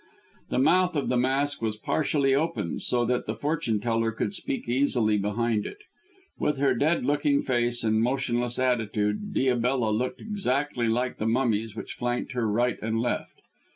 The mouth of the mask was partially open, so that the fortune teller could speak easily behind it. With her dead looking face and motionless attitude, Diabella looked exactly like the mummies which flanked her right and left.